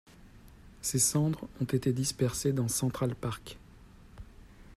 Ses cendres ont été dispersées dans Central Park.